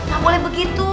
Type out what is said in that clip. ga boleh begitu